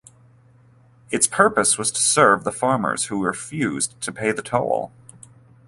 Its purpose was to serve the farmers who refused to pay the toll.